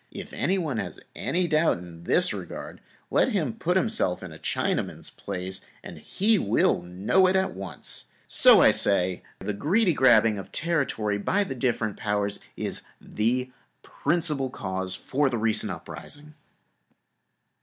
If anyone has any doubt in this regard, let him just put himself in a Chinaman's place and he will know it at once. So, I say, the greedy grabbing for territory by the different Powers is the principal cause for the recent uprising.